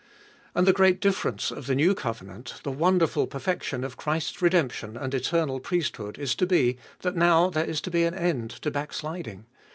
And the great difference of the new covenant, the wonderful perfection of Christ's redemption and eternal priest hood is to be, that now there is to be an end to backsliding.